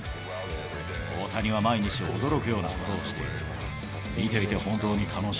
大谷は毎日驚くようなことをしている。